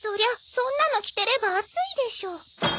そんなの着てれば暑いでしょ。